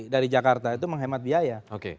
dari jakarta itu menghemat biaya